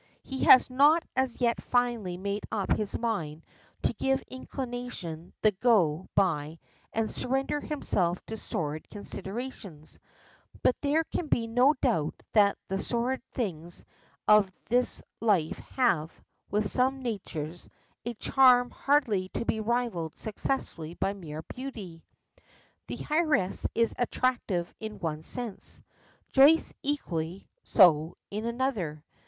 He has not as yet finally made up his mind to give inclination the go by and surrender himself to sordid considerations, but there can be no doubt that the sordid things of this life have, with some natures, a charm hardly to be rivaled successfully by mere beauty. The heiress is attractive in one sense; Joyce equally so in another.